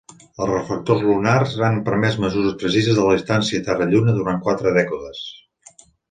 Els reflectors lunars han permès mesures precises de la distància Terra–Lluna durant quatre dècades.